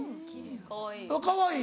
かわいい。